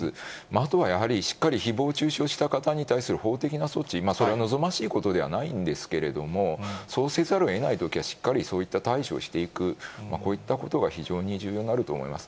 あとはやはりしっかりひぼう中傷した方に対する法的な措置、それは望ましいことではないんですけれども、そうせざるをえないときは、しっかりそういった対処をしていく、こういったことが非常に重要になると思います。